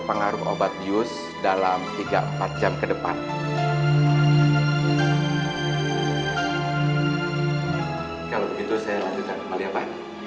kalau begitu saya lanjutkan kemali apaan